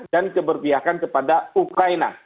dan keberpihakan kepada ukraina